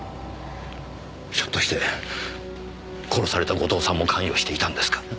ひょっとして殺された後藤さんも関与していたんですか？